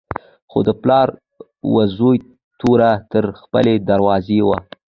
خو د پلار و زوی توره تر خپلې دروازې وه.